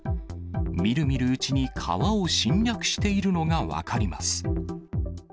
見る見るうちに川を侵略しているのが分かります。